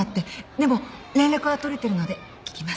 でも連絡は取れてるので聞きます。